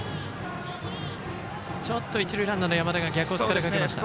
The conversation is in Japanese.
ちょっと、一塁ランナーの山田が逆をつかれかけました。